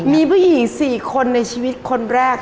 มีผู้หญิง๔คนในชีวิตคนแรก